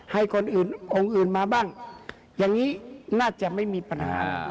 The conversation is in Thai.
ให้คนอื่นองค์อื่นมาบ้างอย่างนี้น่าจะไม่มีปัญหา